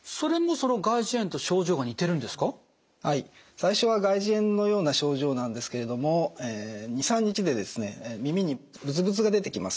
最初は外耳炎のような症状なんですけれども２３日で耳にブツブツが出てきます。